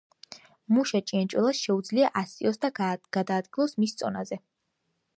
მუშა ჭიანჭველას შეუძლია ასწიოს და გადააადგილოს მის წონაზე